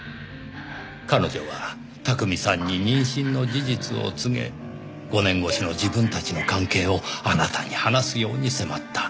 彼女は巧さんに妊娠の事実を告げ５年越しの自分たちの関係をあなたに話すように迫った。